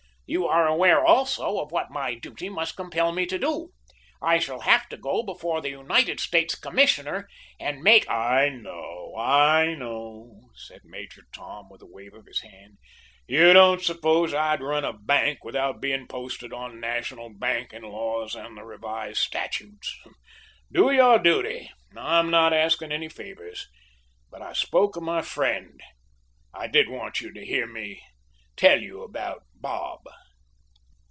You are aware, also, of what my duty must compel me to do. I shall have to go before the United States Commissioner and make " "I know, I know," said Major Tom, with a wave of his hand. "You don't suppose I'd run a bank without being posted on national banking laws and the revised statutes! Do your duty. I'm not asking any favours. But, I spoke of my friend. I did want you to hear me tell you about Bob."